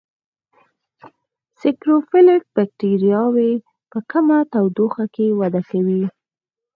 سیکروفیلیک بکټریاوې په کمه تودوخه کې وده کوي.